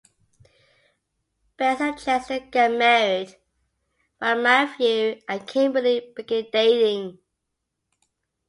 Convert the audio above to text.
Bess and Chester get married while Matthew and Kimberly begin dating.